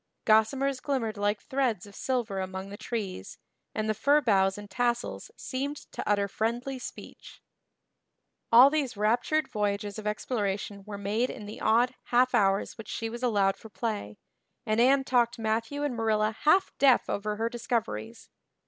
Gossamers glimmered like threads of silver among the trees and the fir boughs and tassels seemed to utter friendly speech. All these raptured voyages of exploration were made in the odd half hours which she was allowed for play, and Anne talked Matthew and Marilla half deaf over her discoveries.